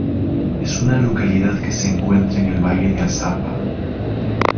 Es una localidad que se encuentra en el valle de Azapa.